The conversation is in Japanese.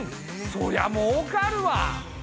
そりゃもうかるわ。